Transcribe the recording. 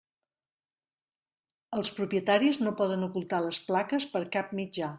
Els propietaris no poden ocultar les plaques per cap mitjà.